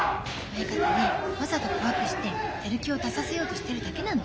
親方ねわざと怖くしてやる気を出させようとしてるだけなの。